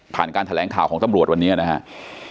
การแถลงข่าวของตำรวจวันนี้นะครับ